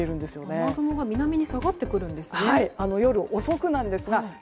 雨雲が南に下がってくるんですね。